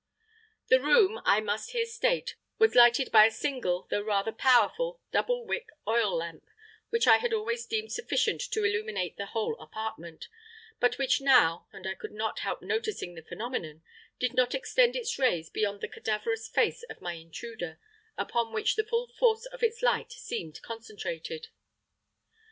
"The room, I must here state, was lighted by a single, though rather powerful, double wick oil lamp, which I had always deemed sufficient to illuminate the whole apartment, but which now and I could not help noticing the phenomenon did not extend its rays beyond the cadaverous face of my intruder, upon which the full force of its light seemed concentrated.